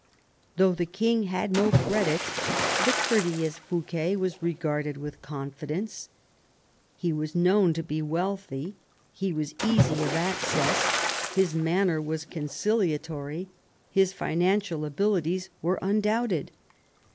Though the king had no credit, the courteous Fouquet was regarded with confidence. He was known to be wealthy, he was easy of access, his manner was conciliatory, his financial abilities were un doubted.